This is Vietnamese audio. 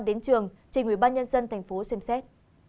đến trường trình ủy ban nhân dân thành phố xem xét